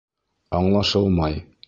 — Аңлашылмай.